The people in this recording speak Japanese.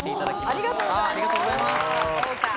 ありがとうございます。